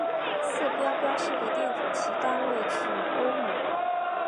色码标示的电阻其单位取欧姆。